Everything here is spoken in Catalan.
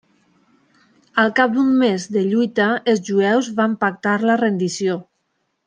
Al cap d'un mes de lluita els jueus van pactar la rendició.